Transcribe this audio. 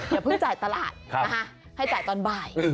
อย่าเพิ่งจ่ายตลาดนะคะให้จ่ายตอนบ่าย